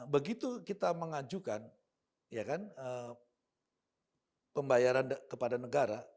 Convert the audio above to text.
begitu kita mengajukan ya kan pembayaran kepada negara